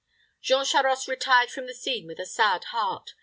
Jean Charost retired from the scene with a sad heart.